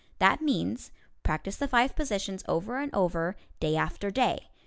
That means, practice the five positions over and over, day after day.